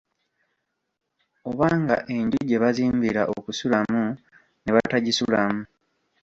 Obanga enju gye bazimbira okusulamu ne batagisulamu.